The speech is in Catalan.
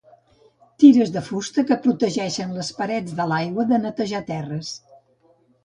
Tires de fusta que protegeixen les parets de l'aigua de netejar terres.